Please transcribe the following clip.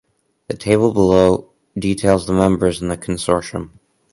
The table below details the members in the consortium.